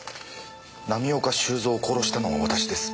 「浪岡収造を殺したのは私です」